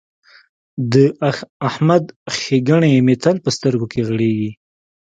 د احمد ښېګڼې مې تل په سترګو کې غړېږي.